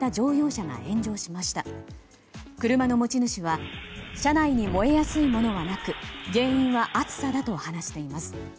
車の持ち主は車内に燃えやすいものはなく原因は暑さだと話しています。